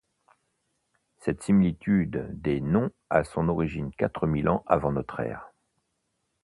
Cette similitude des noms a son origine quatre mille ans avant notre ère.